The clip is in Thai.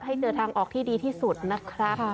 ให้เจอทางออกที่ดีที่สุดนะครับ